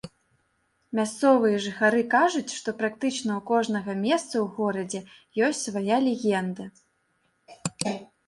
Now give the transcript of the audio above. Мясцовыя жыхары кажуць, што практычна ў кожнага месца ў горадзе ёсць свая легенда.